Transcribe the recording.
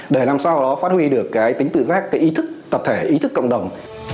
để làm sao đó phát huy được cái tính tự giác cái ý thức tập thể ý thức cộng đồng